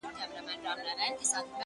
o بیا خرڅ کړئ شاه شجاع یم پر پردیو،